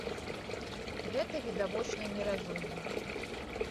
Гэта відавочна не разумна.